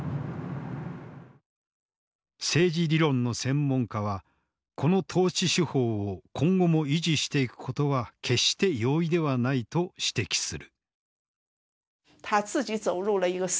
政治理論の専門家はこの統治手法を今後も維持していくことは決して容易ではないと指摘する。